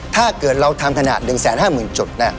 ถ้าเกิดเราทำขนาด๑๕๐๐๐จุด